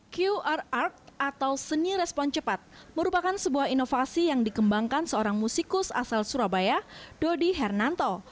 qr atau seni respon cepat merupakan sebuah inovasi yang dikembangkan seorang musikus asal surabaya dodi hernanto